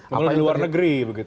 mungkin di luar negeri begitu ya